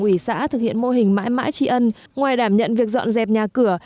ủy xã thực hiện mô hình mãi mãi tri ân ngoài đảm nhận việc dọn dẹp nhà cửa